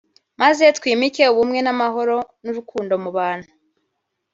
maze twimike ubumwe amahoro n'urukundo mu bantu